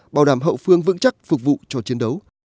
bảo đảm hậu phương vững chắc phục vụ cho chiến đấu